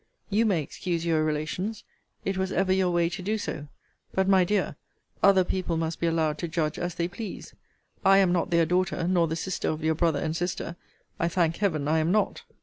You may excuse your relations. It was ever your way to do so. But, my dear, other people must be allowed to judge as they please. I am not their daughter, nor the sister of your brother and sister I thank Heaven, I am not.